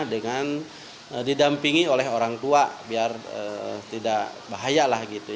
dengan didampingi oleh orang tua biar tidak bahaya